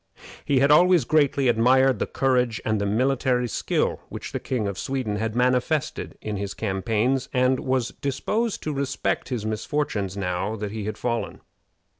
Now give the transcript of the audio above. He had always greatly admired the courage and the military skill which the King of Sweden had manifested in his campaigns, and was disposed to respect his misfortunes now that he had fallen.